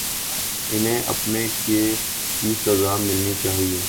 انہیں اپنے کیے کی سزا ملنی چاہیے۔